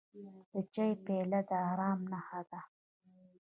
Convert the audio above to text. د چای پیاله د ارام نښه ده.